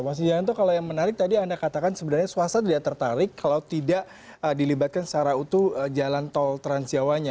mas wijayanto kalau yang menarik tadi anda katakan sebenarnya swasta tidak tertarik kalau tidak dilibatkan secara utuh jalan tol transjawanya